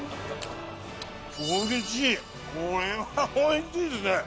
これはおいしいですね。